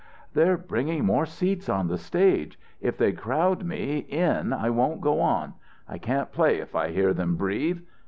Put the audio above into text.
"They're bringing more seats on the stage. If they crowd me in I won't go on. I can't play if I hear them breathe.